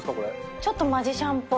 ちょっとマジシャンぽい。